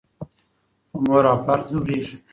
خو مور او پلار ځورېږي.